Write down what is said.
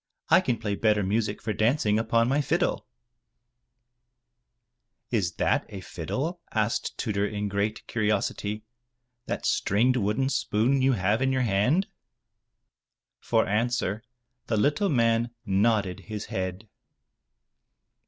*' I can play better music for dancing upon my fiddle/* "Is that a fiddle/' asked Tudur in great curiosity, "that stringed wooden spoon you have in your hand?" For answer the little man nodded his head.